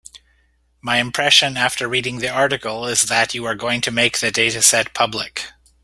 My impression after reading the article is that you are going to make the dataset public.